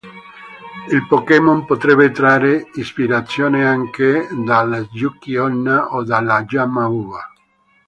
Il Pokémon potrebbe trarre ispirazione anche dalle yuki-onna o dalle yama-uba.